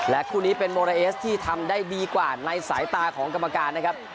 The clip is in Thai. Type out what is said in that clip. คู่นี้เป็นโมราเอสที่ทำได้ดีกว่าในสายตาของกรรมการนะครับ